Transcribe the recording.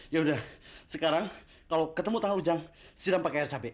yaudah sekarang kalau ketemu tangan ujang siram pakai air cabe